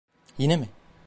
Yine mi?